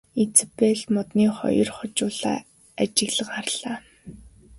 Изабель модны хоёр хожуулаа ажиглан харлаа.